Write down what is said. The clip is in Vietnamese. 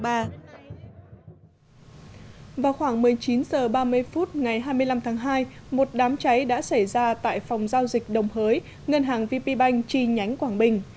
vào khoảng một mươi chín h ba mươi phút ngày hai mươi năm tháng hai một đám cháy đã xảy ra tại phòng giao dịch đồng hới ngân hàng vp bank chi nhánh quảng bình